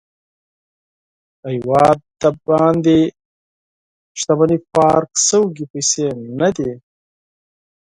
له هېواده بهر شتمني پارک شوې پيسې نه دي.